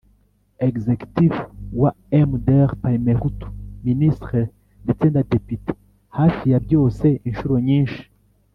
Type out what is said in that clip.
-executif wa mdr-parmehutu, ministre ndetse na député hafi ya byose incuro nyinshi.